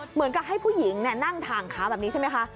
เหมือนกับให้ผู้หญิงนั่งถ่างขาแบบนี้ใช่ไหมคะ